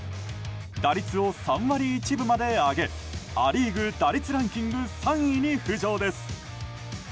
打率を３割１分まで上げア・リーグ打率ランキング３位に浮上です。